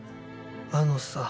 あのさ。